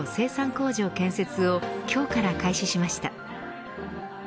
工場建設を今日から開始しました。